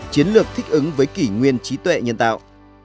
chiến lược thích ứng với kỷ nguyên trí tuệ nhân tạo